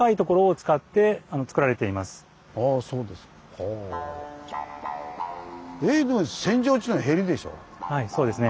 えっはいそうですね。